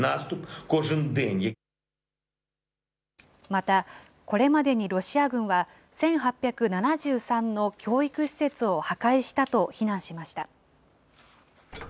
またこれまでにロシア軍は、１８７３の教育施設を破壊したと非難しました。